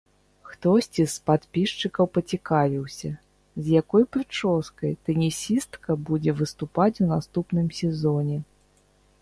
Хтосьці з падпісчыкаў пацікавіўся, з якой прычоскай тэнісістка будзе выступаць у наступным сезоне.